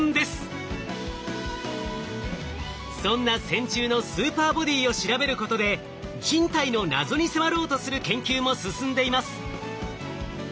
そんな線虫のスーパーボディーを調べることで人体の謎に迫ろうとする研究も進んでいます。